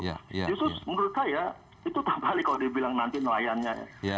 justru menurut saya itu tak balik kalau dibilang nanti nelayannya ya